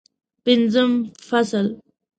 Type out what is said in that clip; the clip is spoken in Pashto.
پنځم فصل